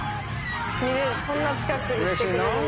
こんな近くに来てくれるの。